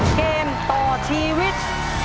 เกมต่อชีวิต